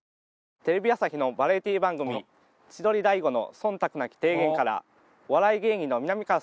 テレビ朝日のバラエティー番組『千鳥大悟の忖度なき提言』からお笑い芸人のみなみかわさん